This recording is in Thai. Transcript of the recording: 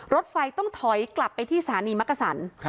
รถไฟต้องถอยกลับไปที่ศาเสนีมักษร